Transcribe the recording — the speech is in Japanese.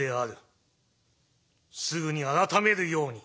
すぐに改めるように。